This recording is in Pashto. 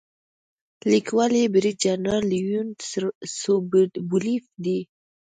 لیکوال یې برید جنرال لیونید سوبولیف دی.